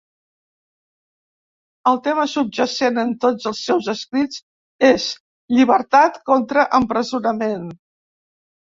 El tema subjacent en tots els seus escrits és llibertat contra empresonament.